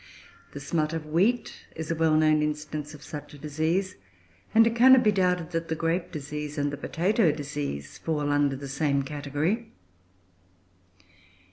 The smut of wheat is a well known instance of such a disease, and it cannot be doubted that the grape disease and the potato disease fall under the same category.